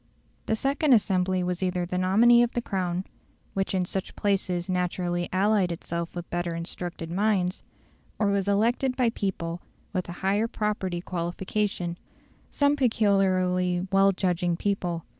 The second assembly was either the nominee of the Crown, which in such places naturally allied itself with better instructed minds, or was elected by people with a higher property qualification some peculiarly well judging people.